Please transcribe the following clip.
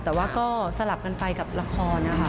แต่ว่าก็สลับกันไปกับละครนะคะ